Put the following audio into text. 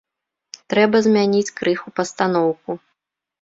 Трэба змяніць крыху пастаноўку.